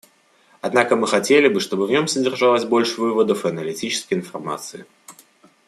Однако мы хотели бы, чтобы в нем содержалось больше выводов и аналитической информации.